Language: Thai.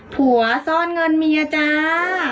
ผัวซ่อนเงินเมียจ้า